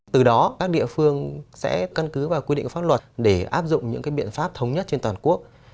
từ đó các địa phương sẽ căn cứ vào quy định pháp luật để áp dụng những biện pháp thống nhất trên toàn quốc